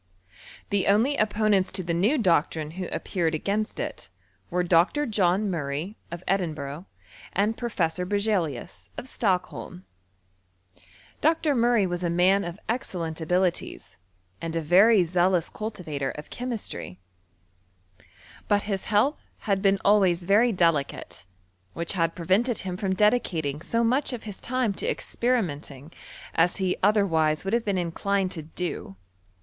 The only opponents to the new doctrine who ap peared against it, were Dr. John Murray, of Edin buigh, and Professor Berzelius, of Stockholm. Dr. Murray was a man of excellent abilities, and a very zealous cultivator of chemistry ; but his health had been always very delicate, which had prevented him from dedicating so much of his time to experiment ing as he otherwise would have been inclined to do.